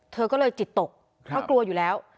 เธอก็เลยจิตตกเพราะกลัวอยู่แล้ว